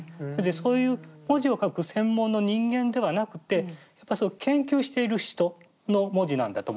そういう文字を書く専門の人間ではなくて研究している人の文字なんだと思います。